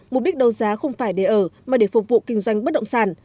mục đích đấu giá không phải để ở mà để phục vụ kinh doanh bất động sản